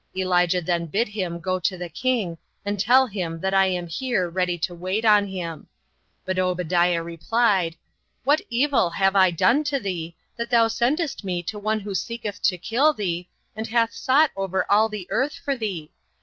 Elijah then bid him go to the king, and tell him that I am here ready to wait on him. But Obadiah replied, "What evil have I done to thee, that thou sendest me to one who seeketh to kill thee, and hath sought over all the earth for thee?